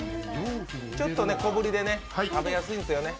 ちょっと小ぶりで食べやすいんですよね。